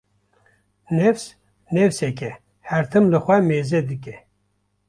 Nefs nefsek e her tim li xwe mêze dike